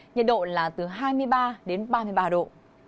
nhiệt độ là từ hai mươi ba đến ba mươi ba độ